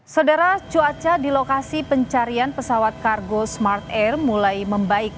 saudara cuaca di lokasi pencarian pesawat kargo smart air mulai membaik